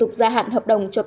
bây giờ tháng ba rồi đúng không